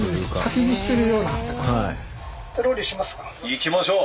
いきましょう。